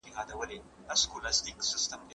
ملي عايد د اوږدې مودې لپاره محاسبه سو.